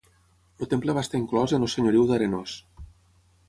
El temple va estar inclòs en el Senyoriu d'Arenós.